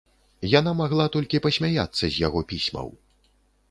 Яна магла толькі пасмяяцца з яго пісьмаў.